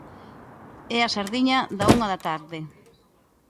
É a sardiña da unha da tarde.